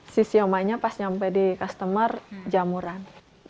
si si omanya pas nyampe di customer jamuran